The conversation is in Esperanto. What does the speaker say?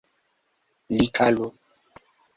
Likalu!